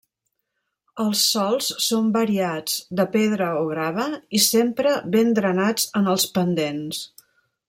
Els sòls són variats, de pedra o grava, i sempre ben drenats en els pendents.